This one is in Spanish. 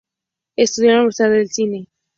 Estudió en la Universidad del Cine.